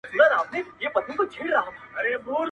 خر پر درې گامه ځيني خطا کېږي.